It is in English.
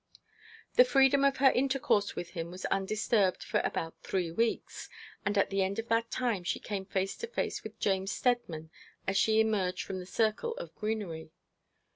The freedom of her intercourse with him was undisturbed for about three weeks; and at the end of that time she came face to face with James Steadman as she emerged from the circle of greenery.